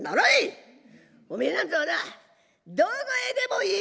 おめえなんかはなどこへでも行きやがれ」。